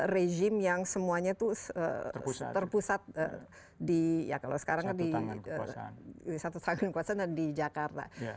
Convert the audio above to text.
regime yang semuanya terpusat di jakarta